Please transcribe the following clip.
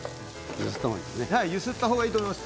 ゆすったほうがいいと思います。